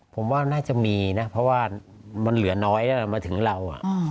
ผมว่าน่าจะมีนะเพราะว่ามันเหลือน้อยแล้วมาถึงเรา